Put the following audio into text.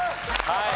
はい。